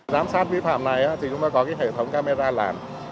giám sát vi phạm này thì chúng ta có cái hệ thống camera làm